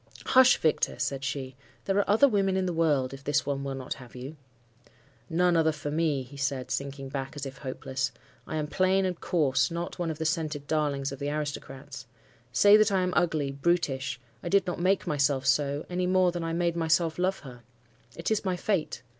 "'Hush, Victor!' said she. 'There are other women in the world, if this one will not have you.' "'None other for me,' he said, sinking back as if hopeless. 'I am plain and coarse, not one of the scented darlings of the aristocrats. Say that I am ugly, brutish; I did not make myself so, any more than I made myself love her. It is my fate.